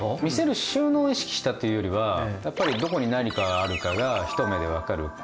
見せる収納を意識したっていうよりはどこに何があるかが一目で分かる。